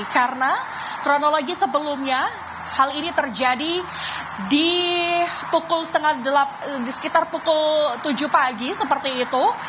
karena kronologi sebelumnya hal ini terjadi di sekitar pukul tujuh pagi seperti itu